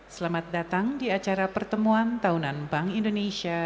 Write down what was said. selamat datang di acara pertemuan tahunan bank indonesia dua ribu dua puluh dua